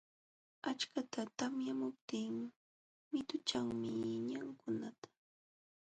Achkata tamyamuptin mituchanmi ñamkunata.